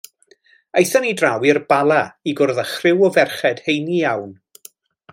Aethon ni draw i'r Bala i gwrdd â chriw o ferched heini iawn.